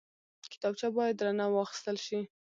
کتابچه باید درنه واخیستل شي